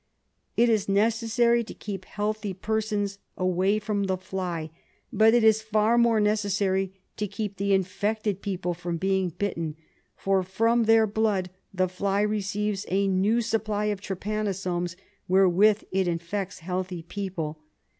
It is necessary to keep healthy persons away from the fly, but it is far more necessary to keep the infected people from being again bitten, for from their blood the fly receives a new supply of trypanosomes, wherewith it infects healthy people.